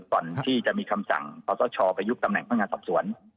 ก่อนที่จะมีคำสั่งขอสชไปยุบตำแหน่งพนักงานสอบสวน